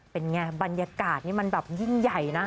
เป็นไงบรรยากาศนี่มันแบบยิ่งใหญ่นะ